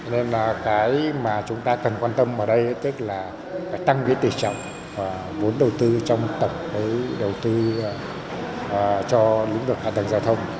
nên là cái mà chúng ta cần quan tâm ở đây tức là tăng viết tỉ trọng và vốn đầu tư trong tổng đối đầu tư cho lĩnh vực hạ tầng giao thông